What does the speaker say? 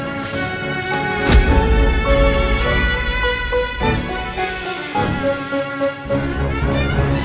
buat apa mas